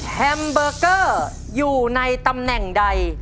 แฮมเบอร์เกอร์อยู่ในตำแหน่งใด